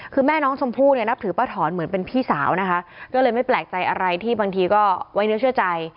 คือแม่น้องชมพู่เนี่ยนับถือป้าถอนเหมือนเป็นพี่สาวนะคะก็เลยไม่แปลกใจอะไรที่บางทีก็ไว้เนื้อเชื่อใจ